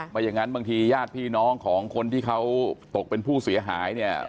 บางทียาดพี่น้องของคนที่เขาตกเป็นผู้เสียหาย